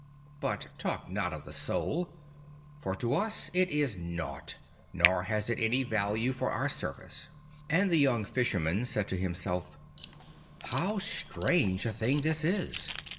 But talk not of the soul, for to us it is nought, nor has it any value for our service.' And the young Fisherman said to himself: 'How strange a thing this is!